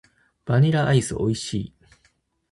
バニラアイス美味しい。